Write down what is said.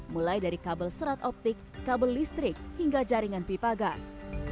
mulai dari kabel serat optik kabel listrik hingga jaringan pipa gas